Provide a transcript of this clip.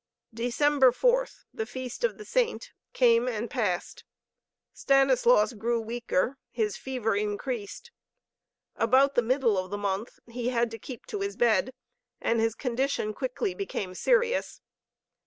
December 4th, the feast of the Saint, came and passed. Stanislaus grew weaker, his fever increased. About the middle of the month he had to keep his bed, and his condition quickly became serious.